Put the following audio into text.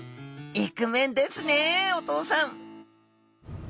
イクメンですねお父さん！